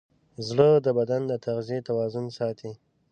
زړه د بدن د تغذیې توازن ساتي.